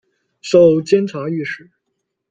授监察御史。